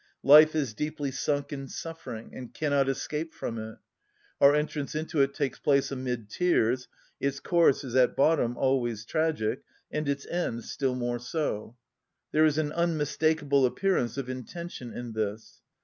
Life is deeply sunk in suffering, and cannot escape from it; our entrance into it takes place amid tears, its course is at bottom always tragic, and its end still more so. There is an unmistakable appearance of intention in this.